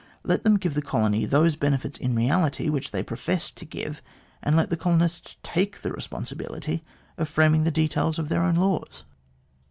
Let them give the colonies those benefits in reality which they professed to give, and let the colonists take the responsibility of framing the details of their own laws.